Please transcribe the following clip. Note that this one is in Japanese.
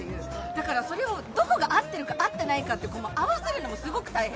だから、それをどこが合ってるか、合ってないかって、合わせるのもすごく大変。